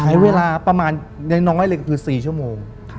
ใช้เวลาประมาณน้อยเลยก็คือ๔ชั่วโมง